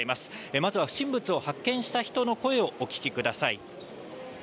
まずは不審物を発見した人の声をお聞きください。